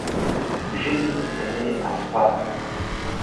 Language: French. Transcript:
Jehin est né à Spa.